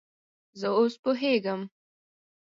زه اوس پوهیږم